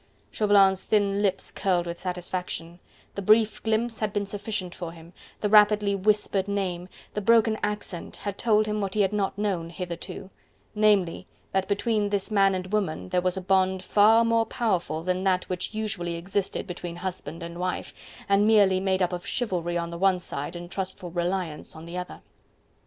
Chauvelin's thin lips curled with satisfaction, the brief glimpse had been sufficient for him, the rapidly whispered name, the broken accent had told him what he had not known hitherto: namely, that between this man and woman there was a bond far more powerful that that which usually existed between husband and wife, and merely made up of chivalry on the one side and trustful reliance on the other.